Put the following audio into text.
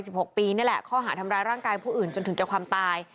หกปีนี่แหละข้อหาทำร้ายร่างกายผู้อื่นจนถึงแก่ความตาย